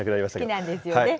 好きなんですよね。